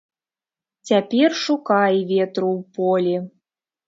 Цяпер шукай ветру ў полі.